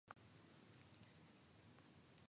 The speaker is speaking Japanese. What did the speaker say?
これがわからないことということ